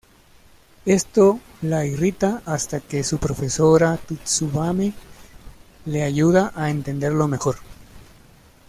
Esto la irrita hasta que su profesora Tsubame le ayuda a entenderlo mejor.